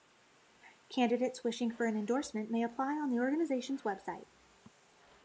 Candidates wishing for an endorsement may apply on the organization's website.